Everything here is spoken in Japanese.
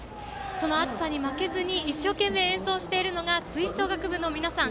その暑さに負けずに一生懸命演奏しているのが吹奏楽部の皆さん。